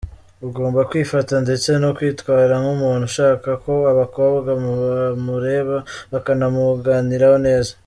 Ugomba kwifata ndetse no kwitwara nk’umuntu ushaka ko abakobwa bamureba bakanamuganiraho neza.